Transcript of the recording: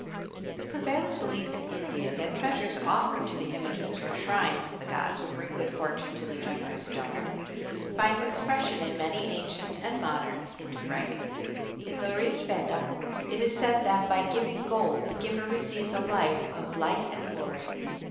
The prevailing belief in India, that treasures offered to the images or shrines of the gods will bring good fortune to the generous donor, finds expression in many ancient and modern Hindu writings. In the Rig Veda it is said that "by giving gold the giver receives a life of light and glory."